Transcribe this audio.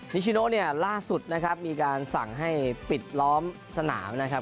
นิชโน่นี่ล่าสุดมีการสั่งให้ปิดล้อมสนามนะครับ